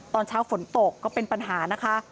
ตอนเช้าฝนตกก็เป็นปัญหานะคะ